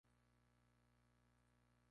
Plantas que acumulan agua en sus tejidos.